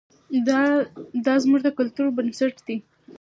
دا زموږ د کلتور بنسټ دی.